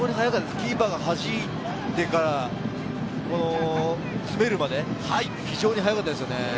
キーパーがはじいてから、詰めるまで非常に速かったですよね。